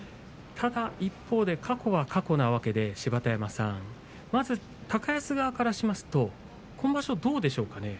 一方で過去は過去なわけでまず高安側からしますと今場所、どうでしょうか？